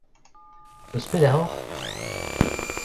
Eus pelec'h oc'h ?